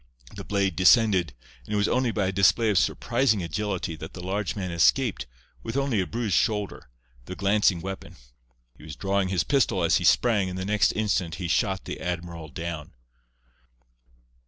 The blade descended, and it was only by a display of surprising agility that the large man escaped, with only a bruised shoulder, the glancing weapon. He was drawing his pistol as he sprang, and the next instant he shot the admiral down.